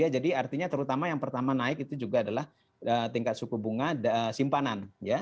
jadi artinya terutama yang pertama naik itu juga adalah tingkat suku bunga simpanan